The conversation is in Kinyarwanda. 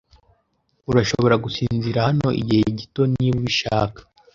Urashobora gusinzira hano igihe gito niba ubishaka.